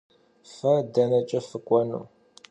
Fe deneç'e fık'uenu?